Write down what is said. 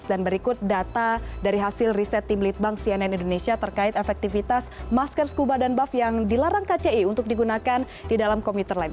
dan berikut data dari hasil riset tim litbang cnn indonesia terkait efektivitas masker scuba dan buff yang dilarang kci untuk digunakan di dalam komputer lain